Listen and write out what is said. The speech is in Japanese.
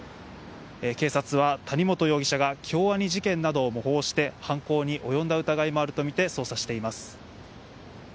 警察は、谷本容疑者が京アニ事件などを模倣して、犯行に及んだ疑いもあると見て捜査しています。